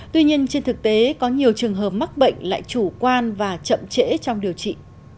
tuy nhiên trên thực tế có nhiều trường hợp mắc bệnh lại chủ quan và chậm trễ trong điều trị